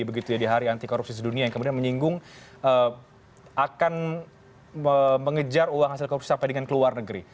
begitu ya di hari anti korupsi sedunia yang kemudian menyinggung akan mengejar uang hasil korupsi sampai dengan ke luar negeri